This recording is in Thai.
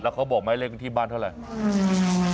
เขาบอกไหมเลขที่บ้านเท่าไหร่